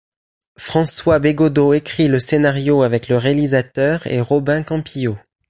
François Bégaudeau écrit le scénario avec le réalisateur et Robin Campillo.